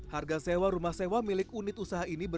harga sewa rumah sewa milik unit usaha ini